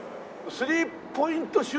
スリーポイント